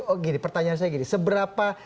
oh gini pertanyaan saya gini seberapa